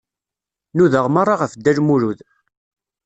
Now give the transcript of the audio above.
Nudaɣ meṛṛa ɣef Dda Lmulud.